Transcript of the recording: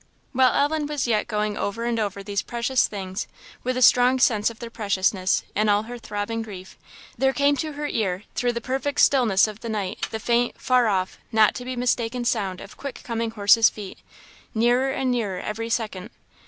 While Ellen was yet going over and over these precious things, with a strong sense of their preciousness in all her throbbing grief, there came to her ear, through the perfect stillness of the night, the faint, far off, not to be mistaken sound of quick coming horses' feet nearer and nearer every second.